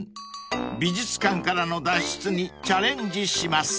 ［美術館からの脱出にチャレンジします］